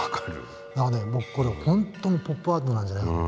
だから僕これ本当にポップアートなんじゃないかと思う。